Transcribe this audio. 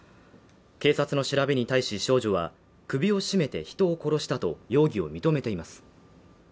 警察の調べに対し少女は首を絞めて人を殺したと容疑を認めています。